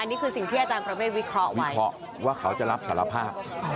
อันนี้คือสิ่งที่อาจารย์บริเวธวิเคราะห์ไว้